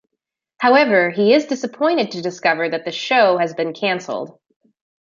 However, he is disappointed to discover that the show has been canceled.